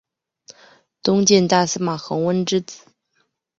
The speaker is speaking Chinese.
东晋大司马桓温之四子。